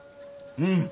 うん！